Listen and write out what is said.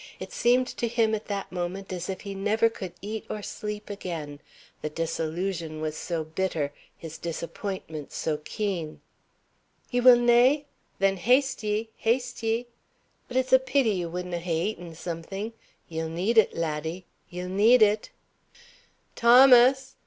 It seemed to him at that moment as if he never could eat or sleep again, the disillusion was so bitter, his disappointment so keen. "You will na? Then haste ye haste ye. But it's a peety you wadna ha'e eaten something. Ye'll need it, laddie; ye'll need it." "Thomas!